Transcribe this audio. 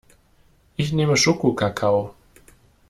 Ich nehme Schokokakao.